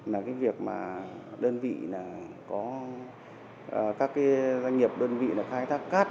là cái việc mà đơn vị là có các cái doanh nghiệp đơn vị là khai thác cắt